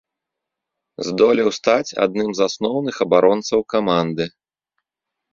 Здолеў стаць адным з асноўных абаронцаў каманды.